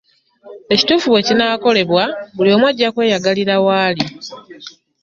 Ekituufu w'ekinaakolebwa buli omu agya kweyagalira wali.